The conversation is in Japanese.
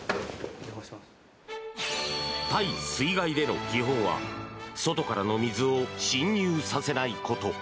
耐水害での基本は外からの水を浸入させないこと。